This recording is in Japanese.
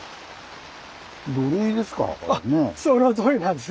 あっそのとおりなんです。